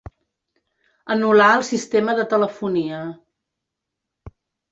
Anul·lar el sistema de telefonia.